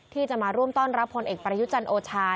ที่จะมาร่วมต้อนรับผลเอกประยุจันทร์โอชา